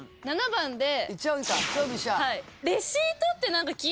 ７番で！